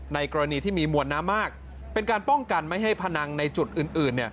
กรณีที่มีมวลน้ำมากเป็นการป้องกันไม่ให้พนังในจุดอื่น